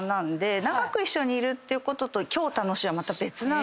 長く一緒にいるってことと今日楽しいはまた別なんですよね。